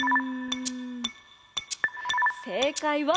せいかいは。